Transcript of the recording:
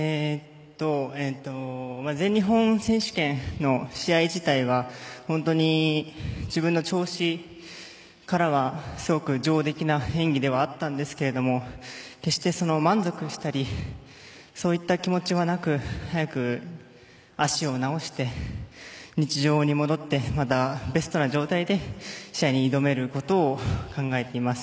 全日本選手権の試合自体は本当に自分の調子からはすごく上出来な演技ではあったんですけれども決して満足したりそういった気持ちはなく早く足を治して、日常に戻ってまたベストな状態で試合に挑めることを考えています。